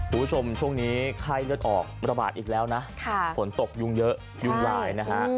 คุณผู้ชมช่วงนี้ไข้เลือดออกระบาดอีกแล้วนะฝนตกยุ่งเยอะยุ่งลายนะฮะ